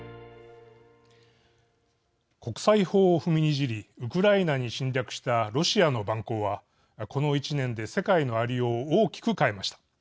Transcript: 津屋国際法を踏みにじりウクライナに侵略したロシアの蛮行はこの１年で世界のありようを大きく変えました。